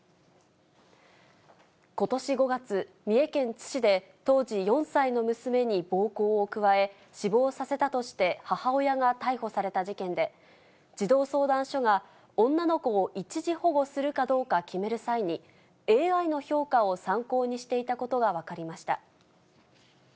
ことし５月、三重県津市で、当時４歳の娘に暴行を加え、死亡させたとして母親が逮捕された事件で、児童相談所が女の子を一時保護するかどうか決める際に、ＡＩの評価を参考にしていたことが分かりました。